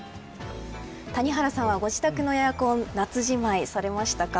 谷原さんはご自宅のエアコン夏じまい、されましたか。